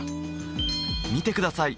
見てください